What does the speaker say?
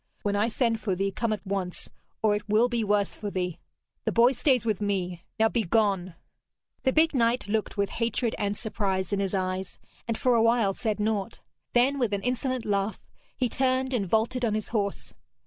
When I send for thee, come at once, or it will be worse for thee. The boy stays with me. Now begone!' The big knight looked with hatred and surprise in his eyes, and for a while said naught. Then, with an insolent laugh, he turned and vaulted on his horse.